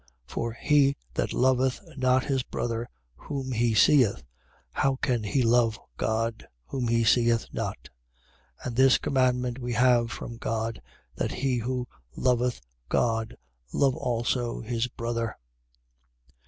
For he that loveth not his brother whom he seeth, how can he love God whom he seeth not? 4:21. And this commandment we have from God, that he who loveth God love also his brother.